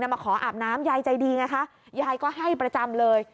มาขออาบน้ำยายใจดีไงคะยายก็ให้ประจำเลย